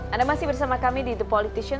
anda masih bersama kami di the politician